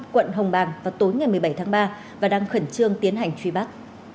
quận hồng bàng vào tối ngày một mươi bảy tháng ba và đang khẩn trương tiến hành truy bắt